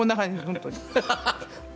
本当に。